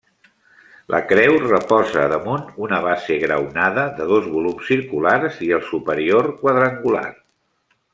La creu reposa damunt una base graonada de dos volums circulars i el superior, quadrangular.